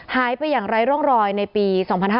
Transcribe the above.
หายไปอย่างไร้ร่องรอยในปี๒๕๕๙